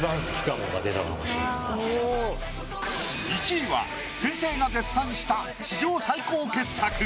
１位は先生が絶賛した史上最高傑作！